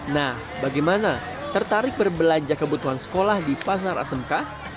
nah bagaimana tertarik berbelanja kebutuhan sekolah di pasar asmk